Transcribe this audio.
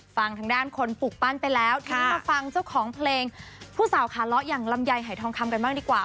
ฟังทางด้านคนปลูกปั้นไปแล้วทีนี้มาฟังเจ้าของเพลงผู้สาวขาเลาะอย่างลำไยหายทองคำกันบ้างดีกว่า